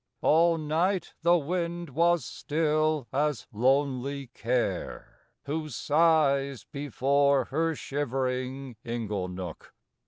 All night the wind was still as lonely Care Who sighs before her shivering ingle nook.